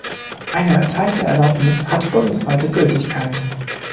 Eine erteilte Erlaubnis hat bundesweite Gültigkeit.